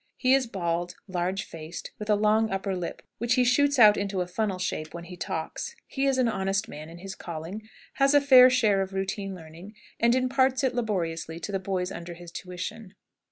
He is bald, large faced, with a long upper lip, which he shoots out into a funnel shape when he talks. He is an honest man in his calling, has a fair share of routine learning, and imparts it laboriously to the boys under his tuition.